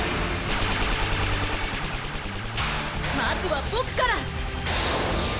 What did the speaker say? まずはボクから！